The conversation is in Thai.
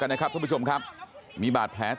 แล้วป้าไปติดหัวมันเมื่อกี้แล้วป้าไปติดหัวมันเมื่อกี้